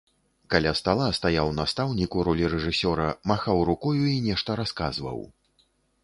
Каля стала стаяў настаўнік у ролі рэжысёра, махаў рукою і нешта расказваў.